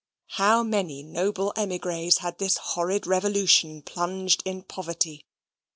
How many noble emigres had this horrid revolution plunged in poverty!